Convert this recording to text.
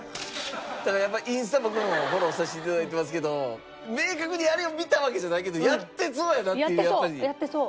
ただやっぱインスタ僕もフォローさせて頂いてますけど明確にあれを見たわけじゃないけどやってそうやなっていう。